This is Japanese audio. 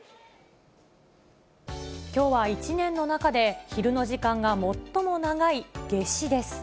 きょうは１年の中で昼の時間が最も長い夏至です。